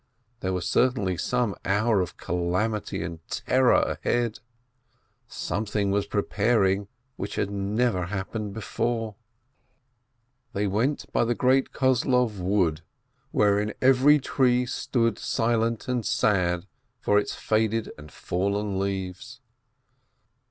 There was certainly some hour of calamity and terror ahead, something was preparing which had never happened before. 548 BERKOWITZ They wenf by the great Kozlov wood, wherein every tree stood silent and sad for its faded and fallen leaves.